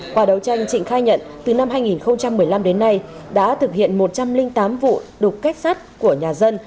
quả đấu tranh trịnh khai nhận từ năm hai nghìn một mươi năm đến nay đã thực hiện một trăm linh tám vụ đục cách sát của nhà dân